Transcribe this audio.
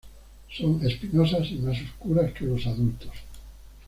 Son espinosas y más oscuras que los adultos.